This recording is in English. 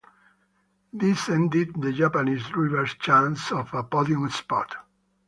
This ended the Japanese driver's chances of a podium spot.